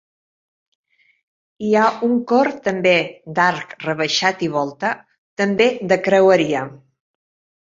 Hi ha un cor també d'arc rebaixat i volta, també de creueria.